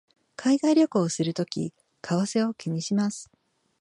海外旅行をするとき為替を気にします